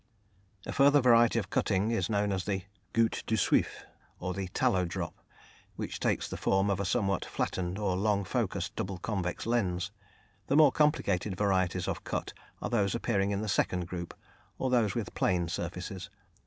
A further variety of cutting is known as the goutte de suif, or the "tallow drop," which takes the form of a somewhat flattened or long focus double convex lens. The more complicated varieties of cut are those appearing in the second group, or those with plane surfaces.